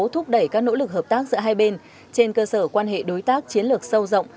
thúc đẩy các nỗ lực hợp tác giữa hai bên trên cơ sở quan hệ đối tác chiến lược sâu rộng